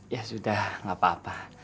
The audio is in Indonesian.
ya sudah nggak apa apa